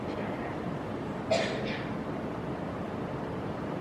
Také by rád dokončil svůj první román.